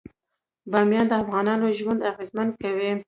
بامیان د افغانانو ژوند اغېزمن کوي.